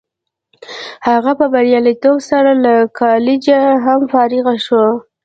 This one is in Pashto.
هغه په بریالیتوب سره له کالجه هم فارغ شو